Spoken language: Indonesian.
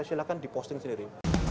silahkan di posting sendiri